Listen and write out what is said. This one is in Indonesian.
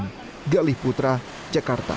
ketika dianggap sebagai perjalanan yang tidak berhasil